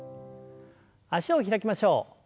脚を開きましょう。